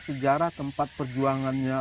sejarah tempat perjuangan